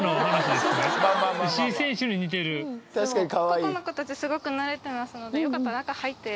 ここの子たちすごく慣れてますのでよかったら中入って。